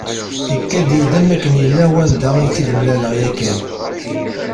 Ikad-iyi-d am akken yella wanda i tt-id-mlaleɣ yakan.